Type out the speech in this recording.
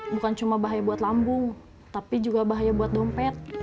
bukan cuma bahaya buat lambung tapi juga bahaya buat dompet